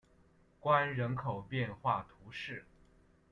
关人口变化图示